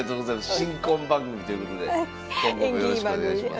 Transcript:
新婚番組ということで今後もよろしくお願いします。